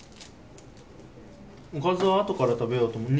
おかずはあとから食べようと。